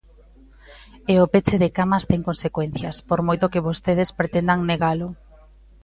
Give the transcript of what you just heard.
E o peche de camas ten consecuencias, por moito que vostedes pretendan negalo.